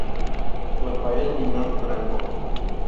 Rafael Minor Franco.